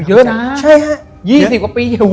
เยอะมาก๒๐กว่าปี